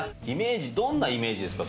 どんなイメージですか？